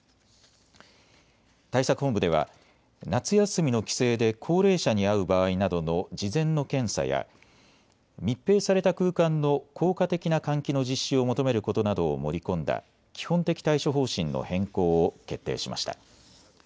対策本部では夏休みの帰省で高齢者に会う場合などの事前の検査や密閉された空間の効果的な換気の実施を求めることなどを盛り込んだ基本的対処方針の変更を決定しました。